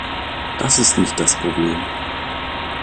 Das ist nicht das Problem.